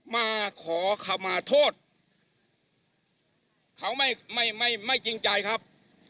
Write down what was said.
มาขอคำถูกเขาไม่จริงใจครับ